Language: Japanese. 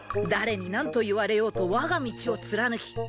誰に何と言われようとわが道を貫き。